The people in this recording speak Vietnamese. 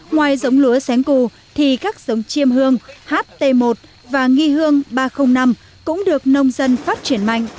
ngoài giống lúa xén cù thì các giống chiêm hương ht một và nghi hương ba trăm linh năm cũng được nông dân phát triển mạnh